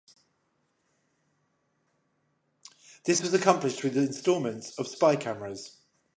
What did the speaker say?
This was accomplished through the instalments of 'spycameras'.